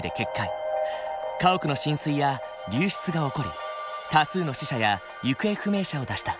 家屋の浸水や流出が起こり多数の死者や行方不明者を出した。